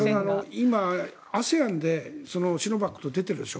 今、ＡＳＥＡＮでシノバックと出てるでしょ。